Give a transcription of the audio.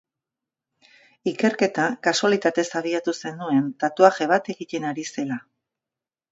Ikerketa kasualitatez abiatu zenuen, tatuaje bat egiten ari zela.